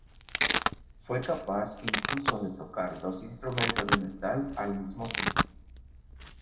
Fue capaz incluso de tocar dos instrumentos de metal al mismo tiempo.